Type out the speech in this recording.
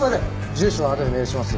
住所はあとでメールします。